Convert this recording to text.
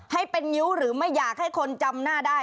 ให้เป็นนิ้วหรือไม่อยากให้คนจำหน้าได้